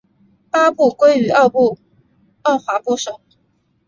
八部归于二划部首。